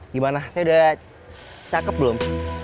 gimana saya udah cakep belum